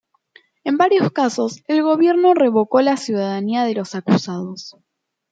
En varios casos, el gobierno revocó la ciudadanía de los acusados.